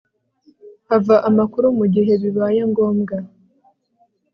hava amakuru mu gihe bibaye ngombwa